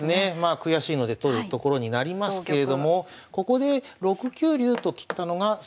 悔しいので取るところになりますけれどもここで６九竜と切ったのが鋭い手でした。